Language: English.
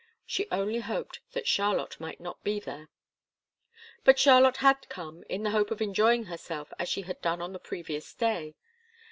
She only hoped that Charlotte might not be there. But Charlotte had come, in the hope of enjoying herself as she had done on the previous day.